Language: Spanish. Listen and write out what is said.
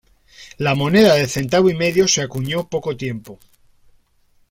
La moneda de centavo y medio se acuñó poco tiempo.